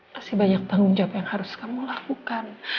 masih banyak tanggung jawab yang harus kamu lakukan